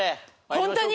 ホントに？